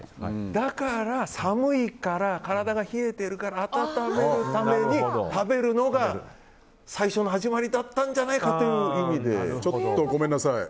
だから寒いから体が冷えているから温めるために食べるのが最初の始まりだったんじゃないかちょっとごめんなさい。